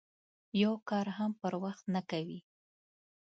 یو کار هم پر وخت نه کوي.